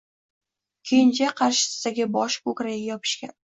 Kenja qarshisidagi boshi ko‘kragiga yopishgan